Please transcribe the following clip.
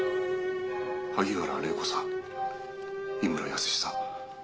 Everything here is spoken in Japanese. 「萩原礼子さん井村泰さん